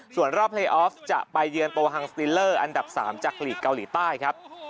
ส่วนรอบเพลย์ออฟจะไปเยือนโตฮังสติลเลอร์อันดับ๓จากหลีกเกาหลีใต้ครับ